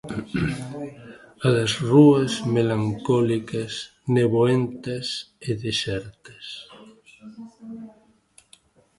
A das rúas melancólicas, neboentas e desertas.